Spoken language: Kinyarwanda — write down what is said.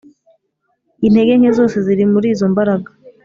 intege nke zose zirimo muri zo imbaraga